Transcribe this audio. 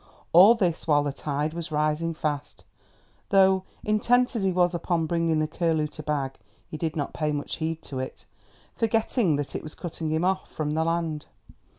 All this while the tide was rising fast, though, intent as he was upon bringing the curlew to bag, he did not pay much heed to it, forgetting that it was cutting him off from the land.